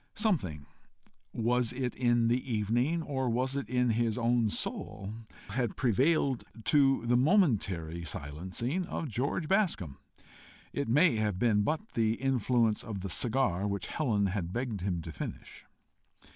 Something was it in the evening, or was it in his own soul? had prevailed to the momentary silencing of George Bascombe: it may have been but the influence of the cigar which Helen had begged him to finish.